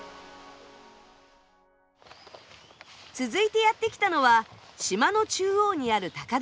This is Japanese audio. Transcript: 続いてやって来たのは島の中央にある高台です。